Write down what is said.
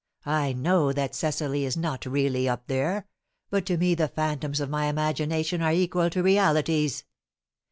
I know that Cecily is not really up there; but to me the phantoms of my imagination are equal to realities."